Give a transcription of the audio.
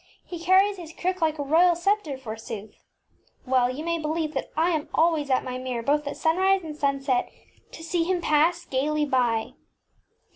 He car ries his crook like a royal sceptre, forsooth. Well you may believe I am always at my mirror both at sunrise and sun set to see him pass gaily by.